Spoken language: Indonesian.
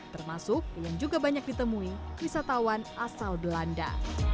termasuk yang juga banyak ditemui wisatawan asal belanda